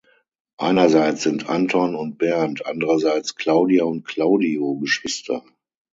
Einerseits sind Anton und Bernd, andererseits Claudia und Claudio Geschwister.